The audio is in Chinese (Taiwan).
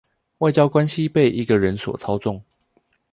外交關係被一個人所操縱